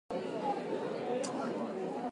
なんでだろう、電車の揺れってなんだか眠くなるよね。